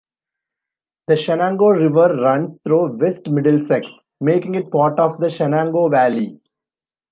The Shenango River runs through West Middlesex, making it part of the Shenango Valley.